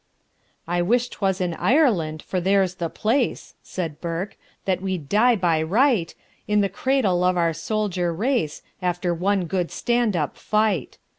"I wish 'twas in Ireland, for there's the place," Said Burke, "that we'd die by right, In the cradle of our soldier race, After one good stand up fight.